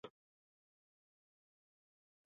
په افغانستان کې د کلي تاریخ اوږد دی.